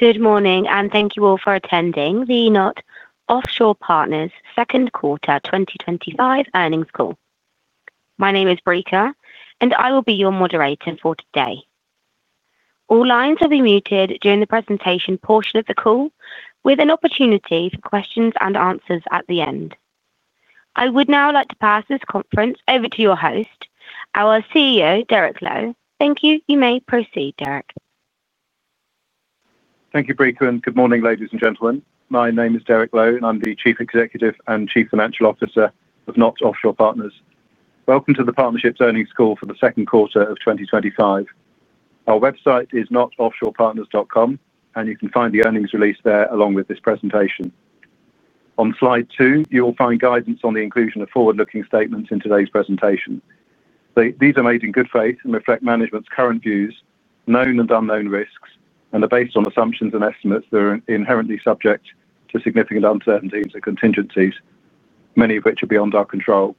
Good morning and thank you all for attending the KNOT Offshore Partners Second Quarter 2025 earnings call. My name is Bria, and I will be your moderator for today. All lines will be muted during the presentation portion of the call, with an opportunity for questions and answers at the end. I would now like to pass this conference over to your host, our CEO, Derek Lowe. Thank you. You may proceed, Derek. Thank you, Bria, and good morning, ladies and gentlemen. My name is Derek Lowe, and I'm the Chief Executive and Chief Financial Officer of KNOT Offshore Partners LP. Welcome to the partnership's earnings call for the second quarter of 2025. Our website is knotoffshorepartners.com, and you can find the earnings release there along with this presentation. On slide two, you will find guidance on the inclusion of forward-looking statements in today's presentation. These are made in good faith and reflect management's current views, known and unknown risks, and are based on assumptions and estimates that are inherently subject to significant uncertainty and contingencies, many of which are beyond our control.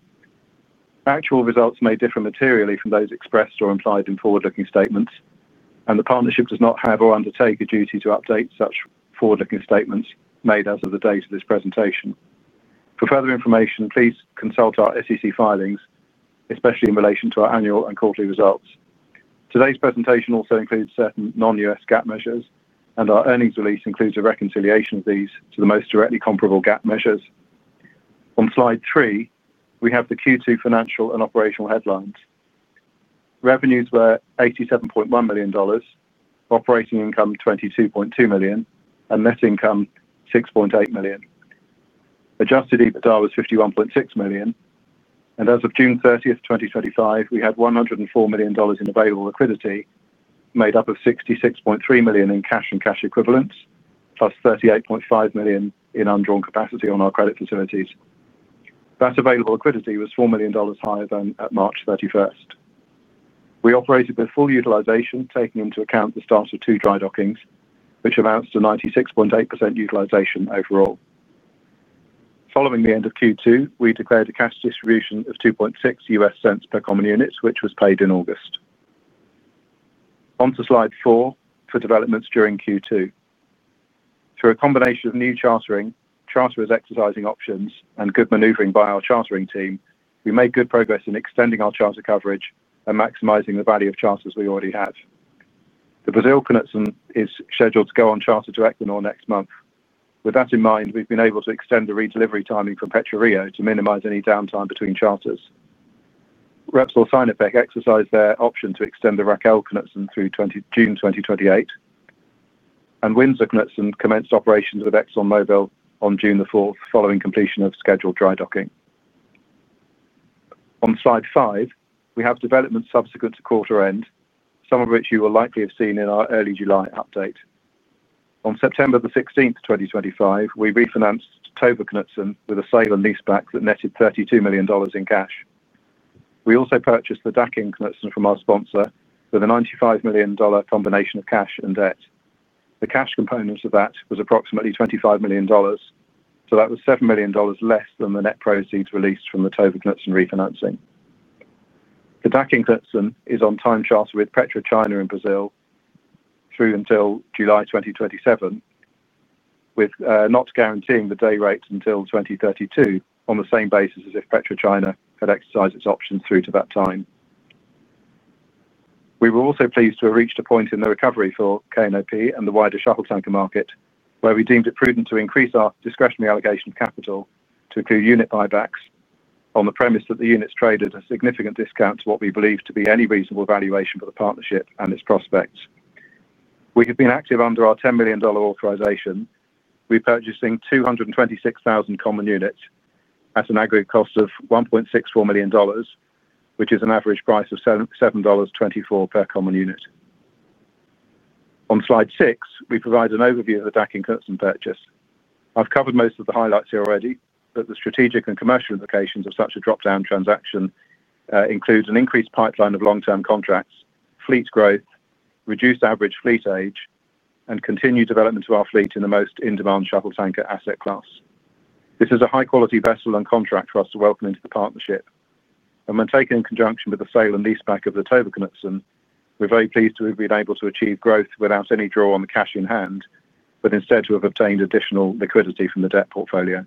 Actual results may differ materially from those expressed or implied in forward-looking statements, and the partnership does not have or undertake the duty to update such forward-looking statements made as of the date of this presentation. For further information, please consult our SEC filings, especially in relation to our annual and quarterly results. Today's presentation also includes certain non-U.S. GAAP measures, and our earnings release includes a reconciliation of these to the most directly comparable GAAP measures. On slide three, we have the Q2 financial and operational headlines. Revenues were $87.1 million, operating income $22.2 million, and net income $6.8 million. Adjusted EBITDA was $51.6 million, and as of June 30, 2025, we had $104 million in available liquidity, made up of $66.3 million in cash and cash equivalents, plus $38.5 million in undrawn capacity on our credit facilities. That available liquidity was $4 million higher than at March 31. We operated with full utilization, taking into account the start of two dry dockings, which amounts to 96.8% utilization overall. Following the end of Q2, we declared a cash distribution of $0.026 per common unit, which was paid in August. On to slide four for developments during Q2. Through a combination of new chartering, charterers exercising options, and good maneuvering by our chartering team, we made good progress in extending our charter coverage and maximizing the value of charters we already have. The Brazil Connexion is scheduled to go on charter to Equinor next month. With that in mind, we've been able to extend the redelivery timing for Petrol Rio to minimize any downtime between charters. Repsol Sinopec exercised their option to extend the Racao Connexion through June 2028, and Windsor Connexion commenced operations with ExxonMobil on June 4th, following completion of scheduled dry docking. On slide five, we have developments subsequent to quarter end, some of which you will likely have seen in our early July update. On September 16th, 2025, we refinanced Toba Connexion with a sale and leaseback that netted $32 million in cash. We also purchased the Dakin Connexion from our sponsor with a $95 million combination of cash and debt. The cash component of that was approximately $25 million, so that was $7 million less than the net proceeds released from the Toba Connexion refinancing. The Dakin Connexion is on time charter with PetroChina in Brazil through until July 2027, with KNOT guaranteeing the day rate until 2032 on the same basis as if PetroChina had exercised its options through to that time. We were also pleased to have reached a point in the recovery for KNOT Offshore Partners LP and the wider shuttle tanker market where we deemed it prudent to increase our discretionary allocation of capital to include unit buybacks on the premise that the units traded at a significant discount to what we believed to be any reasonable valuation for the partnership and its prospects. We have been active under our $10 million authorization, repurchasing 226,000 common units at an aggregate cost of $1.64 million, which is an average price of $7.24 per common unit. On slide six, we provide an overview of the Dakin Connexion purchase. I've covered most of the highlights here already, but the strategic and commercial implications of such a dropdown transaction include an increased pipeline of long-term contracts, fleet growth, reduced average fleet age, and continued development of our fleet in the most in-demand shuttle tanker asset class. This is a high-quality vessel and contract for us to welcome into the partnership. When taken in conjunction with the sale and leaseback of the Toba Connexion, we're very pleased to have been able to achieve growth without any draw on the cash in hand, but instead to have obtained additional liquidity from the debt portfolio.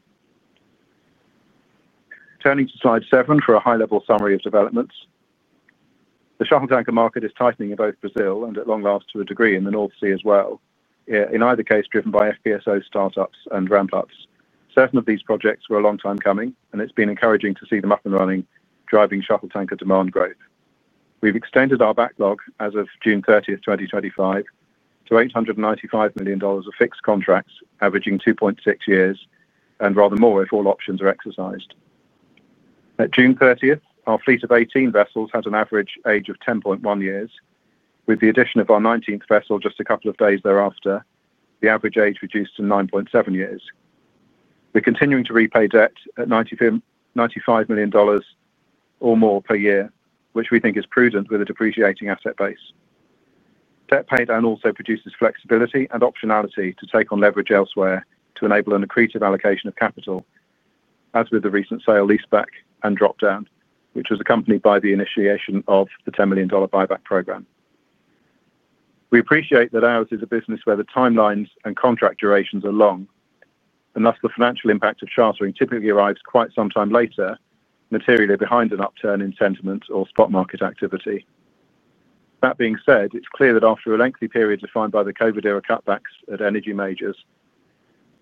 Turning to slide seven for a high-level summary of developments, the shuttle tanker market is tightening in both Brazil and at long last to a degree in the North Sea as well. In either case, driven by Floating Production Storage and Offloading (FPSO) startups and ramp-ups, seven of these projects were a long time coming, and it's been encouraging to see them up and running, driving shuttle tanker demand growth. We've extended our backlog as of June 30, 2025, to $895 million of fixed contracts, averaging 2.6 years, and rather more if all options are exercised. At June 30, our fleet of 18 vessels had an average age of 10.1 years. With the addition of our 19th vessel just a couple of days thereafter, the average age reduced to 9.7 years. We're continuing to repay debt at $95 million or more per year, which we think is prudent with a depreciating asset base. Debt paydown also produces flexibility and optionality to take on leverage elsewhere to enable an accretive allocation of capital, as with the recent sale and leaseback and dropdown, which was accompanied by the initiation of the $10 million buyback program. We appreciate that ours is a business where the timelines and contract durations are long, and thus the financial impact of chartering typically arrives quite some time later, materially behind an upturn in sentiment or spot market activity. That being said, it's clear that after a lengthy period defined by the COVID era cutbacks at energy majors,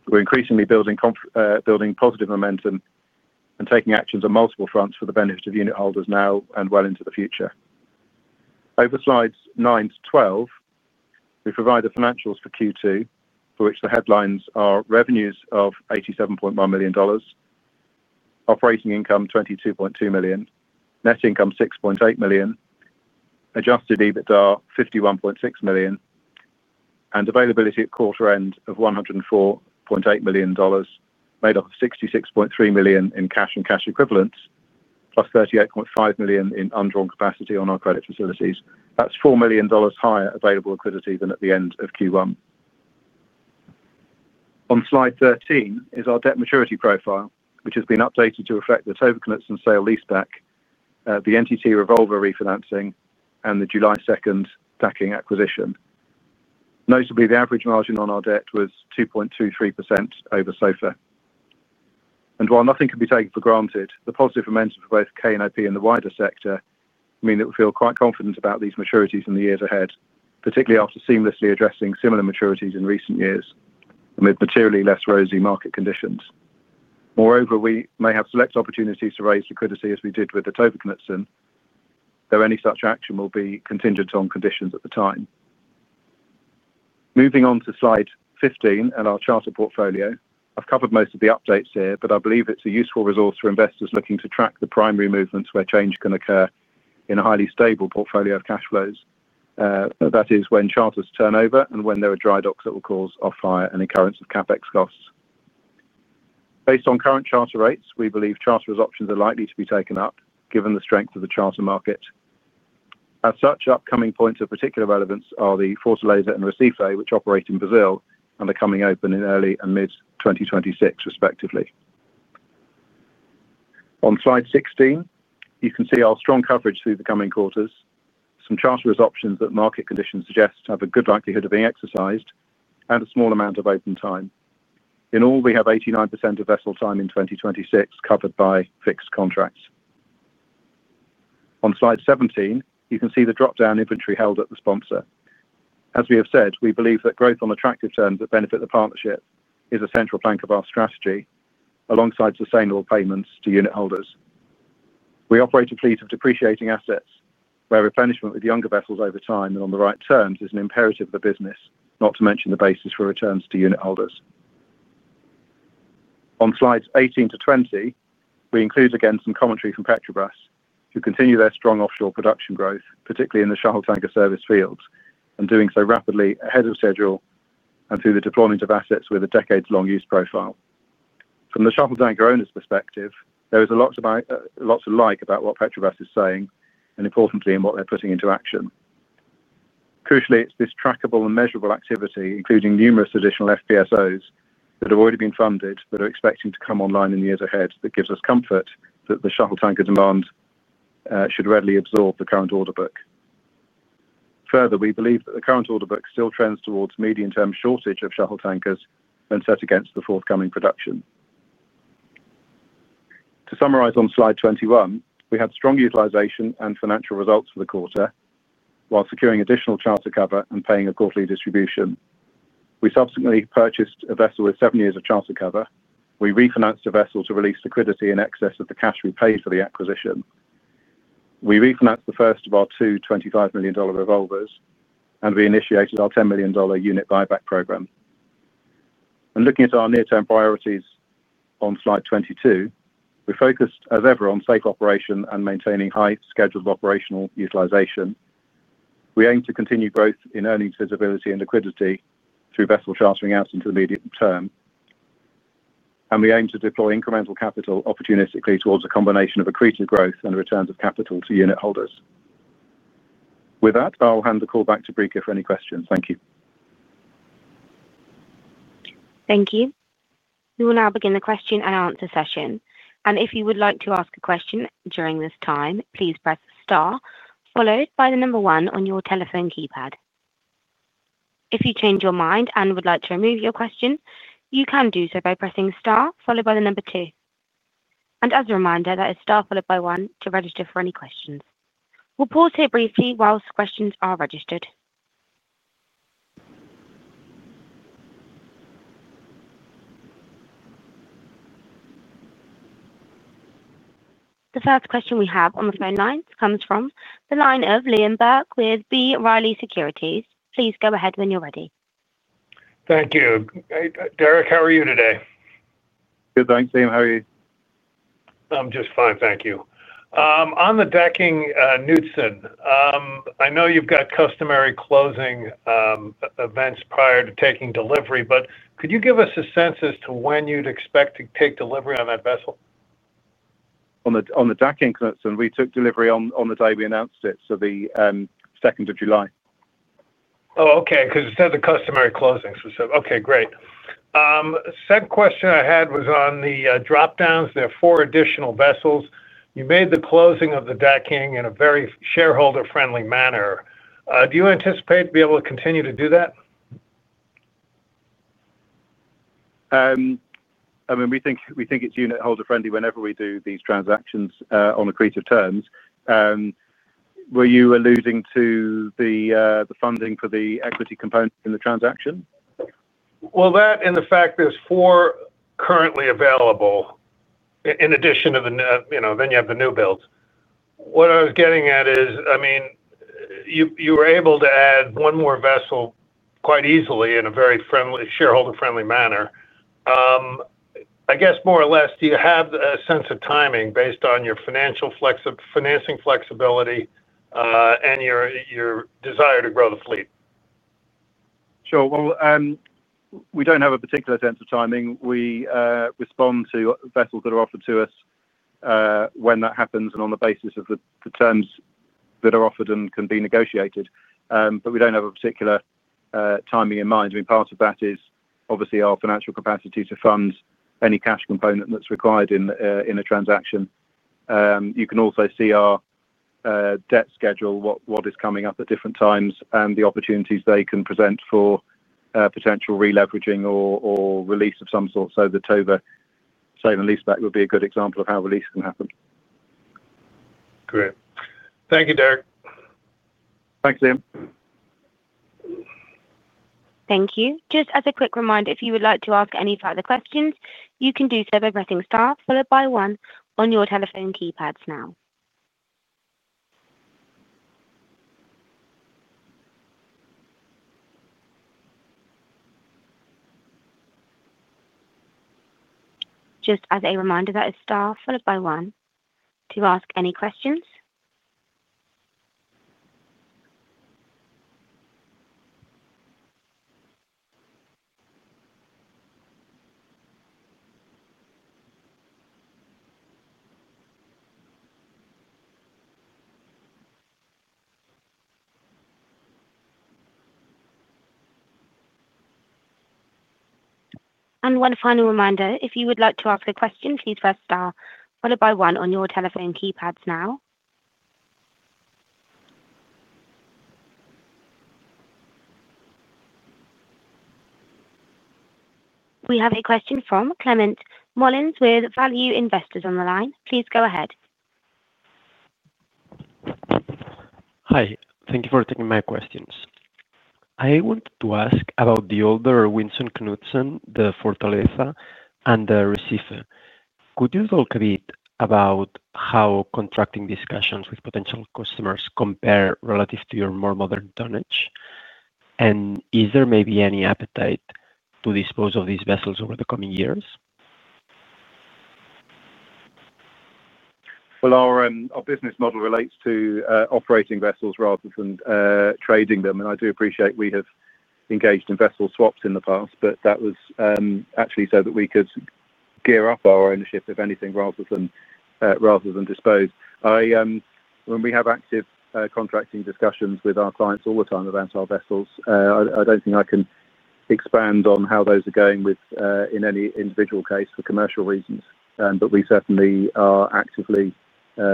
we're increasingly building positive momentum and taking actions on multiple fronts for the benefit of unit holders now and well into the future. Over slides nine to 12, we provide the financials for Q2, for which the headlines are revenues of $87.1 million, operating income $22.2 million, net income $6.8 million, adjusted EBITDA $51.6 million, and availability at quarter end of $104.8 million, made up of $66.3 million in cash and cash equivalents, plus $38.5 million in undrawn capacity on our credit facilities. That's $4 million higher available liquidity than at the end of Q1. On slide 13 is our debt maturity profile, which has been updated to reflect the Toba Connexion sale and leaseback, the NTT Revolver refinancing, and the July 2 Dakin Connexion acquisition. Notably, the average margin on our debt was 2.23% over so far. While nothing can be taken for granted, the positive momentum for both KNOT Offshore Partners LP and the wider sector means that we feel quite confident about these maturities in the years ahead, particularly after seamlessly addressing similar maturities in recent years amid materially less rosy market conditions. Moreover, we may have select opportunities to raise liquidity as we did with the Toba Connexion, though any such action will be contingent on conditions at the time. Moving on to slide 15 and our charter portfolio, I've covered most of the updates here, but I believe it's a useful resource for investors looking to track the primary movements where change can occur in a highly stable portfolio of cash flows. That is when charters turn over and when there are dry docks that will cause off-hire and incurrence of CapEx costs. Based on current charter rates, we believe charterers' options are likely to be taken up given the strength of the charter market. As such, upcoming points of particular relevance are the Forte Leyva and Recife, which operate in Brazil and are coming open in early and mid-2026, respectively. On slide 16, you can see our strong coverage through the coming quarters, some charterers' options that market conditions suggest have a good likelihood of being exercised, and a small amount of open time. In all, we have 89% of vessel time in 2026 covered by fixed contracts. On slide 17, you can see the dropdown inventory held at the sponsor. As we have said, we believe that growth on attractive terms that benefit the partnership is a central plank of our strategy, alongside sustainable payments to unitholders. We operate a fleet of depreciating assets, where replenishment with younger vessels over time and on the right terms is an imperative of the business, not to mention the basis for returns to unitholders. On slides 18 to 20, we include again some commentary from Petrobras, who continue their strong offshore production growth, particularly in the shuttle tanker service fields, and doing so rapidly ahead of schedule and through the deployment of assets with a decades-long use profile. From the shuttle tanker owners' perspective, there is a lot to like about what Petrobras is saying, and importantly, in what they're putting into action. Crucially, it's this trackable and measurable activity, including numerous additional Floating Production Storage and Offloading (FPSO) units that have already been funded but are expected to come online in the years ahead, that gives us comfort that the shuttle tanker demand should readily absorb the current order book. Further, we believe that the current order book still trends towards a medium-term shortage of shuttle tankers when set against the forthcoming production. To summarize on slide 21, we had strong utilization and financial results for the quarter while securing additional charter cover and paying a quarterly distribution. We subsequently purchased a vessel with seven years of charter cover. We refinanced a vessel to release liquidity in excess of the cash we paid for the acquisition. We refinanced the first of our two $25 million revolvers, and we initiated our $10 million unit buyback program. Looking at our near-term priorities on slide 22, we focused, as ever, on safe operation and maintaining high scheduled operational utilization. We aim to continue growth in earnings visibility and liquidity through vessel chartering out into the immediate term, and we aim to deploy incremental capital opportunistically towards a combination of accretive growth and returns of capital to unit holders. With that, I'll hand the call back to Briga for any questions. Thank you. Thank you. We will now begin the question and answer session. If you would like to ask a question during this time, please press star, followed by the number one on your telephone keypad. If you change your mind and would like to remove your question, you can do so by pressing star, followed by the number two. As a reminder, that is star, followed by one, to register for any questions. We'll pause here briefly whilst questions are registered. The first question we have on the phone lines comes from the line of Liam Burke with B. Riley Securities. Please go ahead when you're ready. Thank you. Hey, Derek, how are you today? Good, thanks, Liam. How are you? I'm just fine, thank you. On the Dakin Connexion, I know you've got customary closing events prior to taking delivery, but could you give us a sense as to when you'd expect to take delivery on that vessel? On the Dakin Connexion, we took delivery on the day we announced it, the 2nd of July. Oh, okay, because it said the customary closings. Okay, great. The second question I had was on the dropdowns. There are four additional vessels. You made the closing of the Dakin Connexion in a very shareholder-friendly manner. Do you anticipate to be able to continue to do that? I mean, we think it's unitholder-friendly whenever we do these transactions on accretive terms. Were you alluding to the funding for the equity component in the transaction? There are four currently available in addition to the, you know, then you have the new build. What I was getting at is, I mean, you were able to add one more vessel quite easily in a very shareholder-friendly manner. I guess more or less, do you have a sense of timing based on your financial financing flexibility and your desire to grow the fleet? Sure. We don't have a particular sense of timing. We respond to vessels that are offered to us when that happens and on the basis of the terms that are offered and can be negotiated. We don't have a particular timing in mind. Part of that is obviously our financial capacity to fund any cash component that's required in a transaction. You can also see our debt schedule, what is coming up at different times, and the opportunities they can present for potential re-leveraging or release of some sort. The Toba Connexion sale and leaseback would be a good example of how release can happen. Great. Thank you, Derek. Thanks, Liam. Thank you. Thank you. Just as a quick reminder, if you would like to ask any further questions, you can do so by pressing star, followed by one on your telephone keypads now. Just as a reminder, that is star, followed by one, to ask any questions. One final reminder, if you would like to ask a question, please press star, followed by one on your telephone keypads now. We have a question from Climent Molins with Value Investor's Edge on the line. Please go ahead. Hi. Thank you for taking my questions. I wanted to ask about the older Windsor Connexion, the Forte Leyva, and the Recife. Could you talk a bit about how contracting discussions with potential customers compare relative to your more modern tonnage? Is there maybe any appetite to dispose of these vessels over the coming years? Our business model relates to operating vessels rather than trading them. I do appreciate we have engaged in vessel swaps in the past, but that was actually so that we could gear up our ownership, if anything, rather than dispose. When we have active contracting discussions with our clients all the time about our vessels, I don't think I can expand on how those are going in any individual case for commercial reasons, but we certainly are actively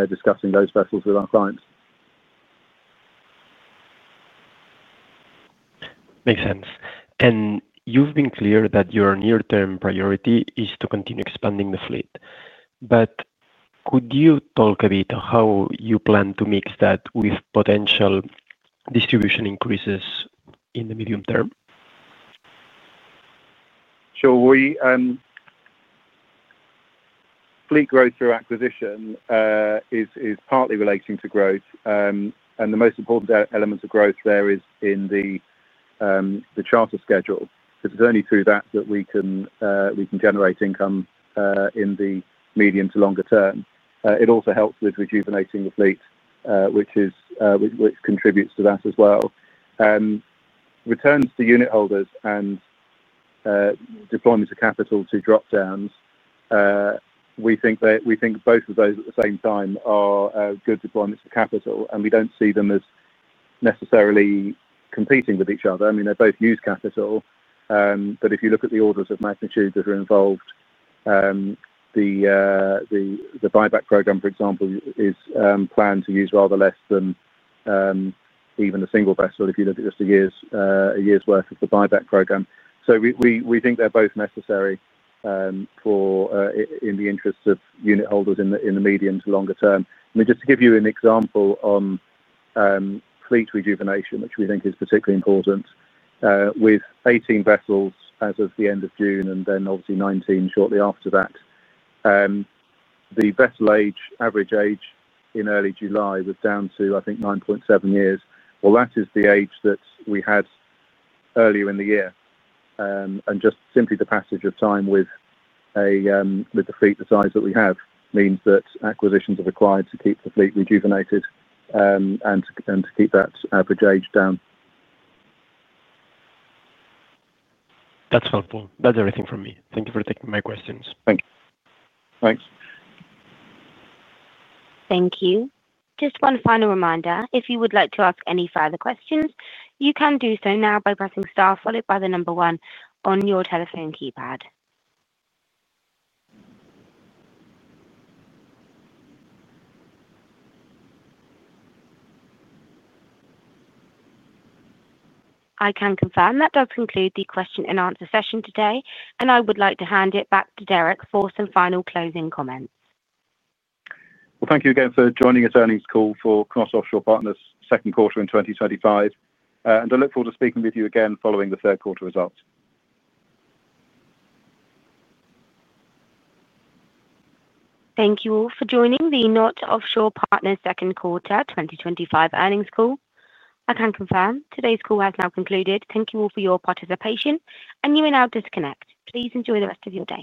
discussing those vessels with our clients. Makes sense. You've been clear that your near-term priority is to continue expanding the fleet. Could you talk a bit on how you plan to mix that with potential distribution increases in the medium term? Sure. Fleet growth through acquisition is partly relating to growth, and the most important element of growth there is in the charter schedule, because it's only through that that we can generate income in the medium to longer term. It also helps with rejuvenating the fleet, which contributes to that as well. Returns to unit holders and deployments of capital to dropdowns, we think both of those at the same time are good deployments of capital, and we don't see them as necessarily competing with each other. I mean, they're both news capital, but if you look at the orders of magnitude that are involved, the buyback program, for example, is planned to use rather less than even a single vessel if you look at just a year's worth of the buyback program. We think they're both necessary in the interests of unit holders in the medium to longer term. For example, on fleet rejuvenation, which we think is particularly important, with 18 vessels as of the end of June and then obviously 19 shortly after that, the vessel age, average age in early July was down to, I think, 9.7 years. That is the age that we had earlier in the year. Just simply the passage of time with the fleet the size that we have means that acquisitions are required to keep the fleet rejuvenated and to keep that average age down. That's helpful. That's everything from me. Thank you for taking my questions. Thank you. Thanks. Thank you. Just one final reminder, if you would like to ask any further questions, you can do so now by pressing star, followed by the number one on your telephone keypad. I can confirm that does conclude the question and answer session today, and I would like to hand it back to Derek for some final closing comments. Thank you again for joining this earnings call for KNOT Offshore Partners second quarter in 2025. I look forward to speaking with you again following the third quarter results. Thank you all for joining the KNOT Offshore Partners second quarter 2025 earnings call. I can confirm today's call has now concluded. Thank you all for your participation, and you may now disconnect. Please enjoy the rest of your day.